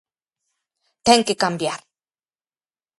Ten que cambiar.